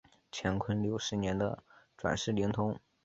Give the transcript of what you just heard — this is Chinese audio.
乾隆六十年的转世灵童。